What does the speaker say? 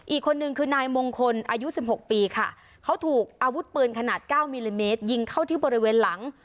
อีกคนนึงคือนายมงคลอายุสิบหกปีค่ะเขาถูกอาวุธปืนขนาดเก้ามิลลิเมตรยิงเข้าที่บริเวณหลัง